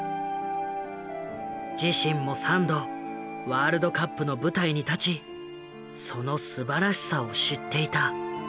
自身も３度ワールドカップの舞台に立ちそのすばらしさを知っていた。